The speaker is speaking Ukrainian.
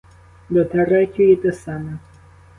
До третьої — те саме!